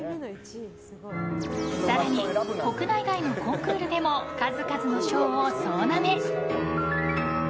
更に、国内外のコンクールでも数々の賞を総なめ。